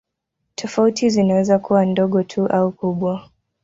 Tofauti zinaweza kuwa ndogo tu au kubwa.